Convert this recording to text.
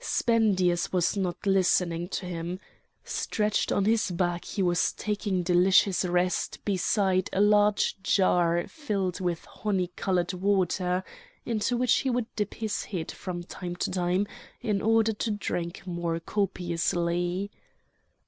Spendius was not listening to him. Stretched on his back he was taking delicious rest beside a large jar filled with honey coloured water, into which he would dip his head from time to time in order to drink more copiously.